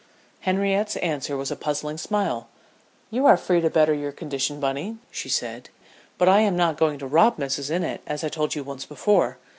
Henriette's answer was a puzzling smile. "You are free to better your condition, Bunny," she said. "But I am not going to rob Mrs. Innitt, as I told you once before.